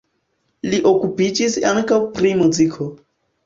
Li okupiĝis ankaŭ pri muziko.